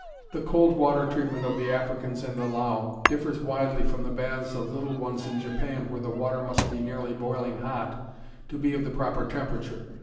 The cold water treatment of the Africans and the Lao differs widely from the baths of little ones in Japan where the water must be nearly boiling hot to be of the proper temperature.